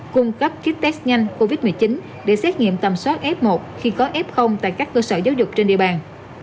cung cấp kit test nhanh covid một mươi chín để xét nghiệm tầm soát f một khi có f tại các cơ sở giáo dục trên địa bàn